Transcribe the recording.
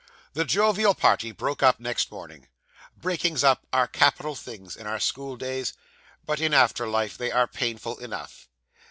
The jovial party broke up next morning. Breakings up are capital things in our school days, but in after life they are painful enough.